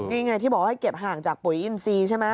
นี่ไงที่บอกว่าให้เก็บห่างจากปุ๋ยอินซีใช่ไหม